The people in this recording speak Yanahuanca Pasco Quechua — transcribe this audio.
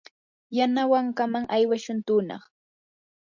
yanawankaman aywashun tunaq.